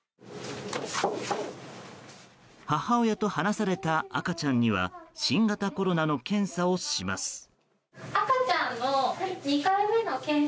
母親と離された赤ちゃんには新型コロナの検査をします。